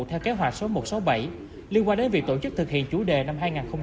theo kế hoạch số một trăm sáu mươi bảy liên quan đến việc tổ chức thực hiện chủ đề năm hai nghìn hai mươi